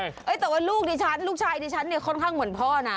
แต่ว่าลูกดิฉันลูกชายดิฉันเนี่ยค่อนข้างเหมือนพ่อนะ